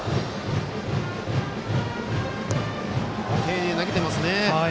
丁寧に投げていますね。